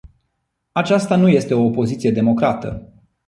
Aceasta nu este o opoziție democrată.